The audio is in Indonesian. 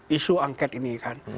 isu angket ini kan